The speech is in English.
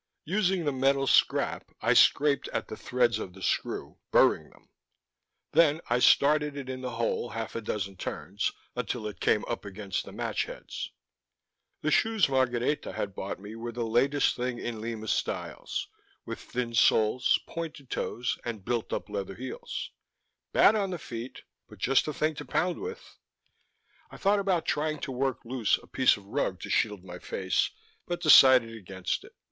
Using the metal scrap I scraped at the threads of the screw, burring them. Then I started it in the hole, half a dozen turns, until it came up against the match heads. The shoes Margareta had bought me were the latest thing in Lima styles, with thin soles, pointed toes, and built up leather heels: Bad on the feet, but just the thing to pound with. I thought about trying to work loose a piece of rug to shield my face, but decided against it.